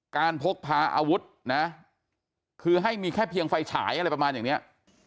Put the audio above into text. พกพาอาวุธนะคือให้มีแค่เพียงไฟฉายอะไรประมาณอย่างเนี้ย